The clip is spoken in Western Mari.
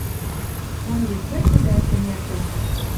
Онгет вӹк тӹдӓт кӹнертӓ